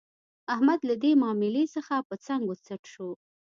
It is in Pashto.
احمد له دې ماملې څخه په څنګ و څټ شو.